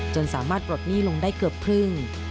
จนสามารถปลดหนี้ลงได้เกือบครึ่ง